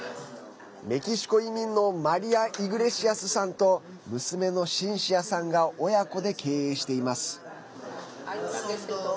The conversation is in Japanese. メキシコ移民のマリア・イグレシアスさんと娘のシンシアさんが親子で経営しています。